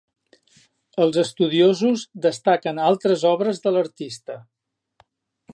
Els estudiosos destaquen altres obres de l'artista.